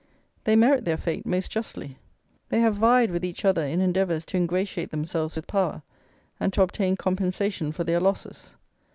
They merit their fate most justly. They have vied with each other in endeavours to ingratiate themselves with power, and to obtain compensation for their losses.